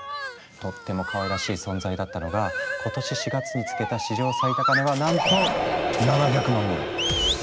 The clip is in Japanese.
とってもかわいらしい存在だったのが今年４月に付けた史上最高値はなんと７００万超え。